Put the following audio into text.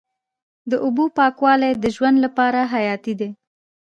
د اوبو پاکوالی د ژوند لپاره حیاتي دی.